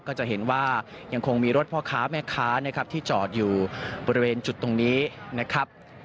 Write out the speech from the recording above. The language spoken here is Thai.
ก็จะเห็นว่ายังคงมีรถพ่อค้าแม่ค้านะครับที่จอดอยู่บริเวณจุดตรงนี้นะครับ